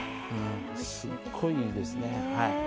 すごいいいですね。